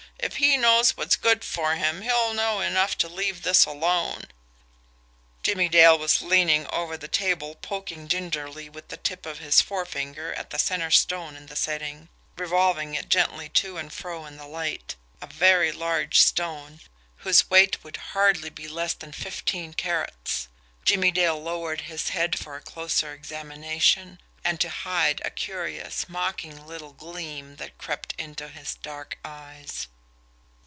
If he knows what's good for him, he'll know enough to leave this alone." Jimmie Dale was leaning over the table poking gingerly with the tip of his forefinger at the centre stone in the setting, revolving it gently to and fro in the light a very large stone, whose weight would hardly be less than fifteen carats. Jimmie Dale lowered his head for a closer examination and to hide a curious, mocking little gleam that crept into his dark eyes.